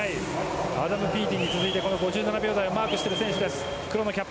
アダム・ピーティに続いて５７秒台をマークしている選手です。